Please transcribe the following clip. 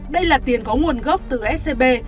đây là tiền có nguồn gốc từ scb